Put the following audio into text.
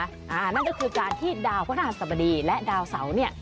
นั่นก็คือการที่ดาวพระราชสบดีและดาวเสาเนี่ย